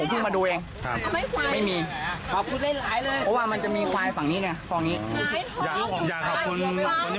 เพราะว่ามันจะมีขวายหลังฑั่วนี้